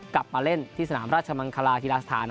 กลับมาเล่นที่สนามราชมังคลาฮิลาสถาน